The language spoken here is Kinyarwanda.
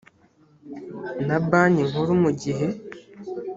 na banki nkuru mu gihe